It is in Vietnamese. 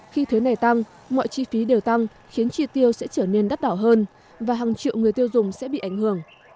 khi thuế này tăng mọi chi phí đều tăng khiến chi tiêu sẽ trở nên đắt đỏ hơn và hàng triệu người tiêu dùng sẽ bị ảnh hưởng